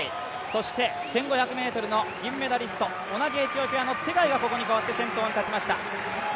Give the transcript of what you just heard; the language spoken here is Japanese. そして１５００ｍの銀メダリスト、同じエチオピアのツェガイが先頭に立ちました。